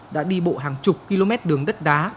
đã đi bộ hàng chục km đường đất đá